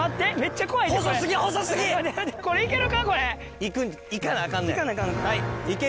行かなアカンねん。